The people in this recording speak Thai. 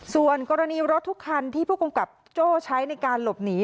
ส่วนกรณีรถทุกคันที่ผู้กำกับโจ้ใช้ในการหลบหนี